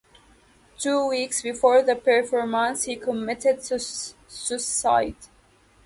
Two weeks before the performance, he committed suicide.